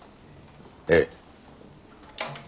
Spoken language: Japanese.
ええ。